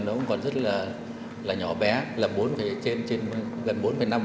nó cũng còn rất là nhỏ bé là gần bốn năm